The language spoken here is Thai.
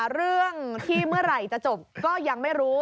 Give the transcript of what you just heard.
เรื่องที่เมื่อไหร่จะจบก็ยังไม่รู้